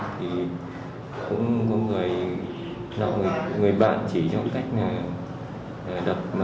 thì cũng có người bạn chỉ cho cách đập